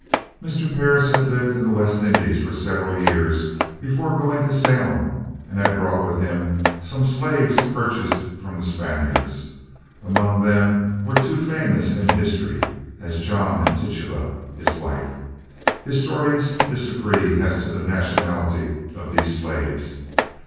Mr. Parris had lived in the West Indies for several years before going to Salem, and had brought with him some slaves purchased from the Spaniards. Among them were two famous in history as John and Tituba his wife. Historians disagree as to the nationality of these slaves.